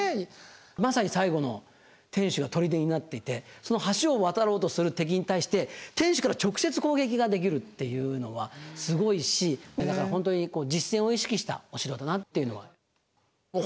まさに最後の天守が砦になっていてその橋を渡ろうとする敵に対して天守から直接攻撃ができるっていうのはすごいしだから本当に実戦を意識したお城だなというのは。